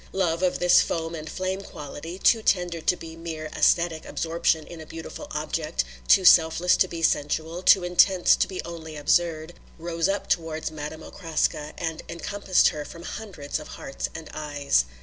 Love of this foam and flame quality, too tender to be mere æsthetic absorption in a beautiful object, too selfless to be sensual, too intense to be only absurd, rose up towards Madame Okraska and encompassed her from hundreds of hearts and eyes.